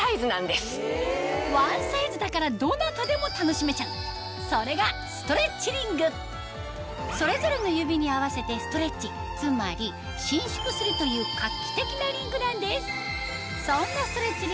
ワンサイズだからどなたでも楽しめちゃうそれがそれぞれの指に合わせてストレッチつまり伸縮するという画期的なリングなんです